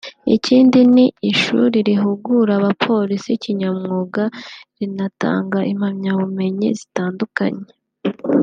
Ikindi ni ishuri rihugura abapolisi kinyamwuga rinatanga impamyabumenyi zitandukanye